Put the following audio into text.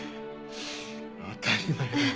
当たり前だろ。